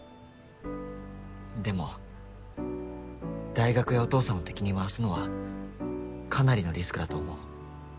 でも大学やお父さんを敵に回すのはかなりのリスクだと思う。